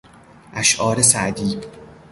اشعار سعدی